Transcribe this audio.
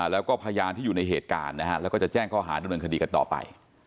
แล้วก็พยานที่อยู่ในเหตุการณ์นะฮะแล้วก็จะแจ้งข้อหาดำเนินคดีกันต่อไป